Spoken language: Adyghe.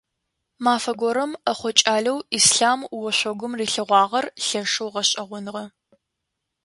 Мафэ горэм ӏэхъо кӏалэу Ислъам ошъогум рилъэгъуагъэр лъэшэу гъэшӏэгъоныгъэ.